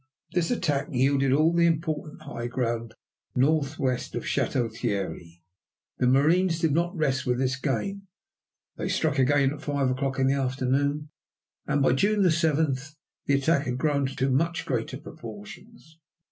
This attack yielded all the important high ground northwest of Château Thierry. The marines did not rest with this gain. They struck again at five o'clock in the afternoon, and by June 7 the attack had grown to much greater proportions.